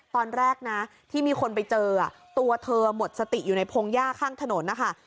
ตอนแรกนะที่มีคนไปเจอตัวเธอหมดสติอยู่ในพงหญ้าข้างถนนนะคะ